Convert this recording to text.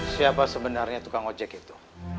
siapa sebenarnya tukang ojek itu